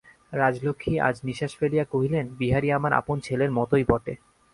রাজলক্ষ্মী আজ নিশ্বাস ফেলিয়া কহিলেন, বিহারী আমার আপন ছেলের মতোই বটে।